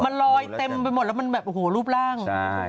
มันลอยเต็มไปหมดแล้วมันแบบโอ้โหรูปร่างใช่